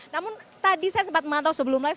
namun tadi saya sempat memantau sebelum live